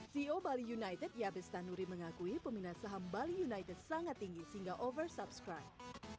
ceo bali united yabes tanuri mengakui peminat saham bali united sangat tinggi sehingga oversubscribe